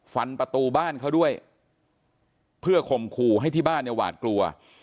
ฟันประตูบ้านเขาด้วยเพื่อคมครูให้ที่บ้านหวาดกลัว